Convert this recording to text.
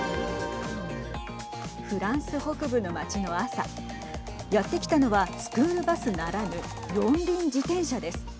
フランス北部の町の朝やって来たのはスクールバスならぬ四輪自転車です。